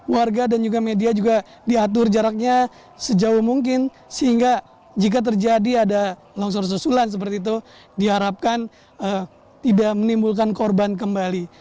warga dan juga media juga diatur jaraknya sejauh mungkin sehingga jika terjadi ada longsor susulan seperti itu diharapkan tidak menimbulkan korban kembali